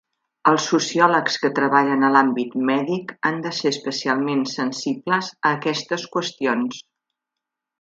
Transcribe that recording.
Els sociòlegs que treballen a l'àmbit mèdic han de ser especialment sensibles a aquestes qüestions.